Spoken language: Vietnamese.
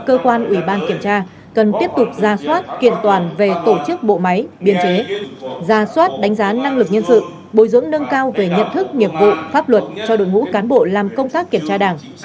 cơ quan ủy ban kiểm tra cần tiếp tục ra soát kiện toàn về tổ chức bộ máy biên chế ra soát đánh giá năng lực nhân sự bồi dưỡng nâng cao về nhận thức nghiệp vụ pháp luật cho đội ngũ cán bộ làm công tác kiểm tra đảng